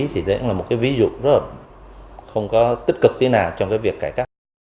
thì đấy là một cái ví dụ rất là không có tích cực tí nào trong cái việc cải cách